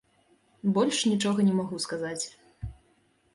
Больш нічога не магу сказаць.